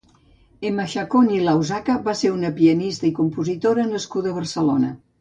Emma Chacón i Lausaca va ser una pianista i compositora nascuda a Barcelona.